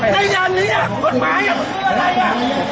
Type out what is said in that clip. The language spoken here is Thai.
ในยานนี้อ่ะคนหมายอ่ะอะไรอ่ะ